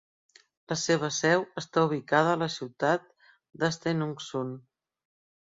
La seva seu està ubicada a la ciutat de Stenungsund.